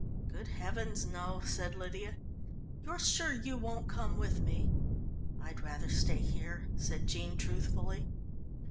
"Good heavens, no!" said Lydia. "You're sure you won't come with me?" "I'd rather stay here," said Jean truthfully.